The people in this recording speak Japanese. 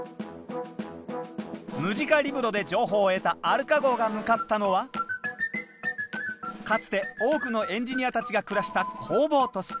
ムジカリブロで情報を得たアルカ号が向かったのはかつて多くのエンジニアたちが暮らした工房都市。